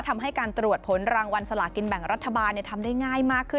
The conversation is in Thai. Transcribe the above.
ทำให้การตรวจผลรางวัลสลากินแบ่งรัฐบาลทำได้ง่ายมากขึ้น